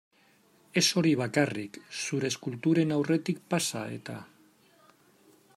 Ez hori bakarrik, zure eskulturen aurretik pasa, eta.